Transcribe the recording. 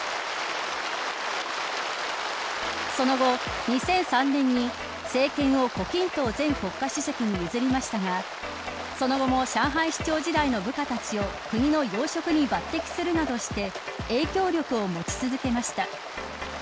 その後、２００３年に政権を胡錦濤前国家主席に譲りましたがその後も上海市長時代の部下たちを国の要職に抜てきするなどして影響力を持ち続けました。